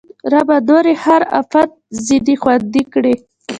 ربه! نور یې هر اپت ځنې خوندي کړې